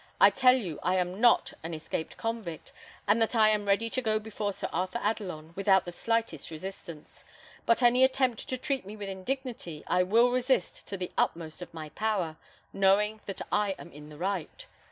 I tell you I am not an escaped convict, and that I am ready to go before Sir Arthur Adelon, without the slightest resistance; but any attempt to treat me with indignity I will resist to the utmost of my power, knowing that I am in the right.